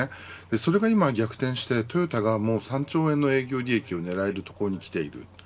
それが今、逆転してトヨタが３兆円の営業利益を狙えるところにきている。